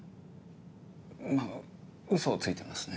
まぁウソをついてますね。